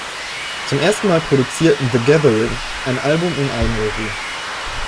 Zum ersten Mal produzierten The Gathering ein Album in Eigenregie.